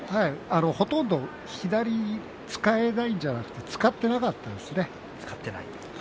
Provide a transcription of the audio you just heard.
ほとんど左を使えないんじゃなくて使っていなかったですね。